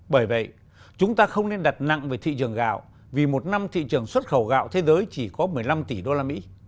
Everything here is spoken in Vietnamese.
bởi vậy chúng ta không nên đặt nặng về thị trường gạo vì một năm thị trường xuất khẩu gạo thế giới chỉ có một mươi năm tỷ usd